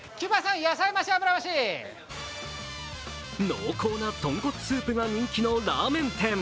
濃厚な豚骨スープが人気のラーメン店。